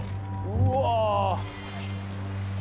うわ。